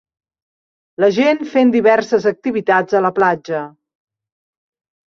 La gent fent diverses activitats a la platja.